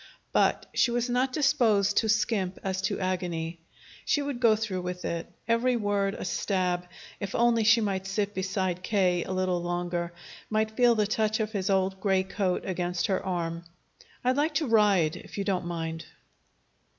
But she was not disposed to skimp as to agony. She would go through with it, every word a stab, if only she might sit beside K. a little longer, might feel the touch of his old gray coat against her arm. "I'd like to ride, if you don't mind."